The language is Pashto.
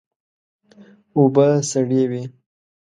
اوبه سړې وې.